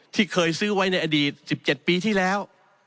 ที่เคยซื้อไว้ในอดีต๑๗ปีที่แล้ว